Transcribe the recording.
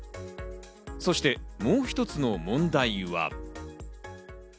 そしてもう一つの問題は。